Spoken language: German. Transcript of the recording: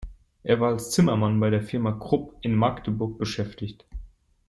Er war als Zimmermann bei der Firma Krupp in Magdeburg beschäftigt.